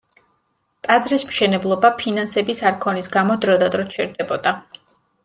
ტაძრის მშენებლობა ფინანსების არქონის გამო დროდადრო ჩერდებოდა.